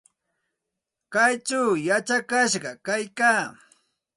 Kaychaw yachakashqam kaykaa.